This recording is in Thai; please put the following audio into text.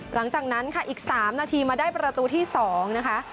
หลังจากนั้นค่ะอีก๓นาทีมาได้ประตูที่๒นะคะ